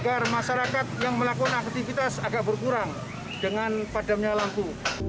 agar masyarakat yang melakukan aktivitas agak berkurang dengan padamnya lampu